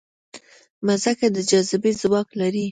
مځکه د جاذبې ځواک لري.